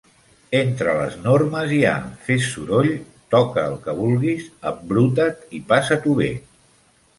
Entre les normes hi ha "fes soroll", "toca el que vulguis", "embruta't" i "passa't-ho bé".